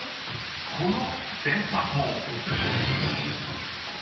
［この電波塔］